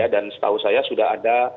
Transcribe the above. dan setahu saya sudah ada